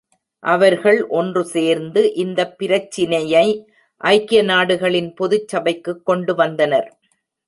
அவர்கள் ஒன்று சேர்ந்து இந்த பிரச்சினையை ஐக்கிய நாடுகளின் பொதுச் சபைக்குக் கொண்டு வந்தனர்.